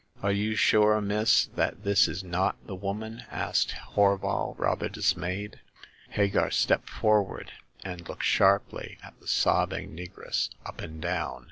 Are you sure, miss, that this is not the woman ?" asked Horval, rather dismayed. Hagar stepped forward, and looked sharply at the sobbing negress up and down.